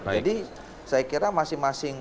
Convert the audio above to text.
jadi saya kira masing masing